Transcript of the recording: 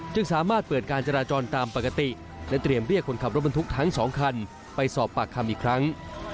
จึงสามารถเปิดการจราจรตามปกติและเตรียมเรียกคนขับรถบรรทุกทั้ง๒คันไปสอบปากคำอีกครั้ง